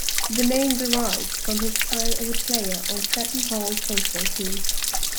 The name derived from his time as a player on Seton Hall's baseball team.